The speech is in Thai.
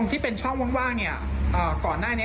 ตัวแปดแสนกว่าบาทครับ